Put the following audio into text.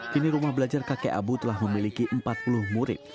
kini rumah belajar kakek abu telah memiliki empat puluh murid